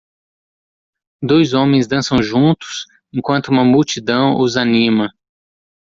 Dois homens dançam juntos enquanto uma multidão os anima